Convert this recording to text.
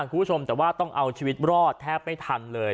คุณผู้ชมแต่ว่าต้องเอาชีวิตรอดแทบไม่ทันเลย